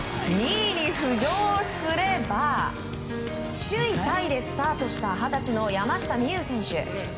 ２位に浮上すれば首位タイでスタートした二十歳の山下美夢有選手。